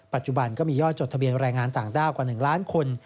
ปัจจุบันก็มีย่อจดทะเบียนแรงงานต่างด้าวกว่า๑ล้านคน